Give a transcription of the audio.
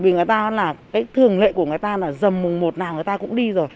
vì người ta là cái thường lệ của người ta là dầm mùng một nào người ta cũng đi